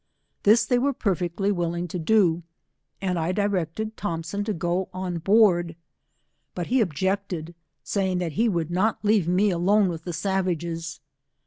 This they were perfectly willing to do, and I directed Thompson to go qii board. But he objected, saying that he would not leave me alone with the savages.